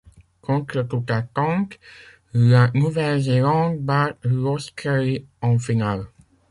Contre toute attente, la Nouvelle-Zélande bat l'Australie en finale.